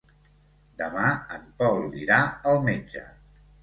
Demà en Pol irà al metge.